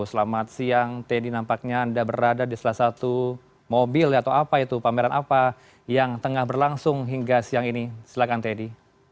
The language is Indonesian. selamat siang teddy nampaknya anda berada di salah satu mobil atau apa itu pameran apa yang tengah berlangsung hingga siang ini silahkan teddy